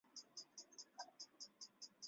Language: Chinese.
粉叶蕨为裸子蕨科粉叶蕨属下的一个种。